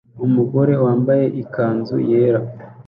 numugore wambaye ikanzu yera